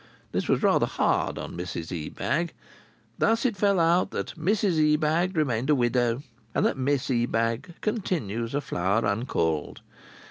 This was rather hard on Mrs Ebag. Thus it fell out that Mrs Ebag remained a widow, and that Miss Ebag continues a flower uncalled.